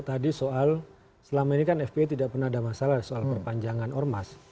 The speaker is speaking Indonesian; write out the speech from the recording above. tadi soal selama ini kan fpi tidak pernah ada masalah soal perpanjangan ormas